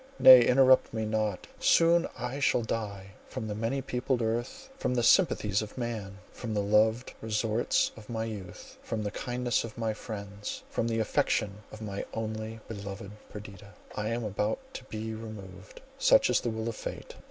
—nay, interrupt me not—soon I shall die. From the many peopled earth, from the sympathies of man, from the loved resorts of my youth, from the kindness of my friends, from the affection of my only beloved Perdita, I am about to be removed. Such is the will of fate!